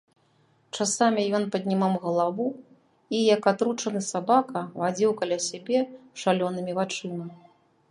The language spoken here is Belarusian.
Часамі ён паднімаў галаву і, як атручаны сабака, вадзіў каля сябе шалёнымі вачыма.